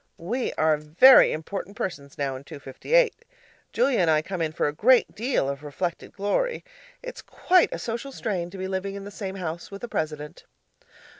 We're very important persons now in '258.' Julia and I come in for a great deal of reflected glory. It's quite a social strain to be living in the same house with a president.